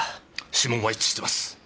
指紋は一致してます。